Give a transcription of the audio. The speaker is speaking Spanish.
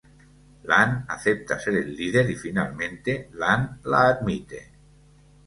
Lan acepta ser el líder y Finalmente, Lan la admite.